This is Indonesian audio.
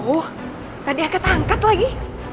tuh gak diega tangkat lagi